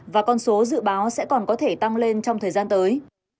và con số dự báo sẽ còn có thể tăng lên trong thời gian tới